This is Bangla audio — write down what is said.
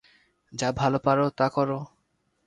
যা ভালো পারো, তা করো।